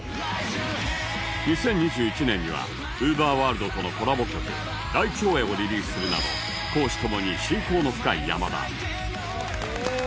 ２０２１年には ＵＶＥＲｗｏｒｌｄ とのコラボ曲『来鳥江』をリリースするなど公私ともに親交の深い山田